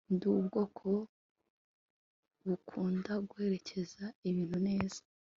ndi ubwoko bukunda gutekereza ibintu neza